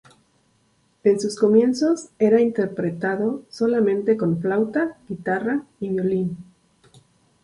En sus comienzos era interpretado solamente con flauta, guitarra y violín.